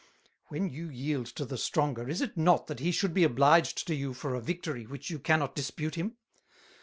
When you yield to the Stronger, is it not that he should be obliged to you for a Victory which you cannot Dispute him?